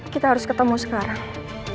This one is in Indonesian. kita harus ketemu sekarang